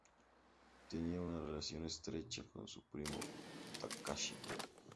Tenía una relación estrecha con su primo, Takashi.